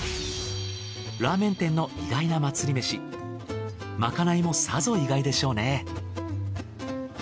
ラーメン店の意外な祭りめしまかないもさぞ意外でしょうね。